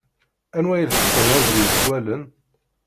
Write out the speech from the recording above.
Anwa i ileḥqen abrid s wallen?